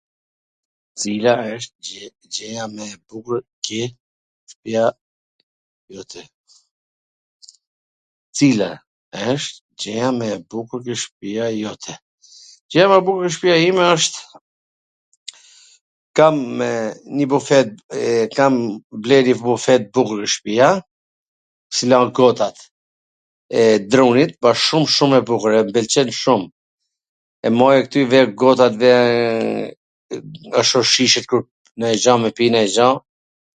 Cila wsht gjwja mw e bukur ke shpija jote? Gjwja mw e bukur ke shpija ime asht kamw njw bufe t... kam ble njw bufe t bukur t ke shpija, qw lan gotat, e drunit, po asht shum shum e bukur e m pwlqen shum, e maj ktu i ve gotat e ashu shishe nonj gja me pi nonj gja...